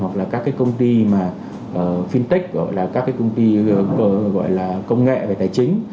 hoặc là các cái công ty mà fintech gọi là các cái công ty gọi là công nghệ về tài chính